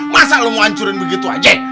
masa lu mau ngancurin begitu aja